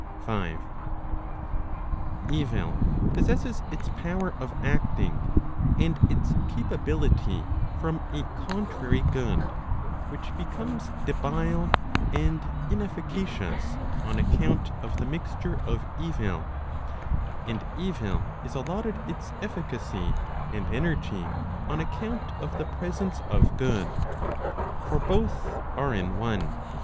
5. Evil possesses its power of acting, and its capability from a contrary good, which becomes debile and inefficacious on account of the mixture of evil; and evil is allotted its efficacy and energy on account of the Digitized by t^OOQLe OF EVIL. 503 presence of good, for both are in one.